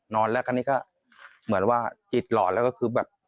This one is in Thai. นอนแล้วคราวนี้ก็เหมือนว่าจิตหลอดแล้วก็คือแบบ